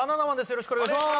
よろしくお願いします。